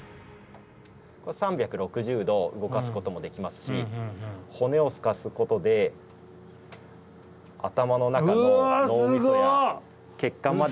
３６０度動かすこともできますし骨を透かすことで頭の中の脳みそや血管まで。